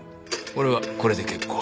俺はこれで結構。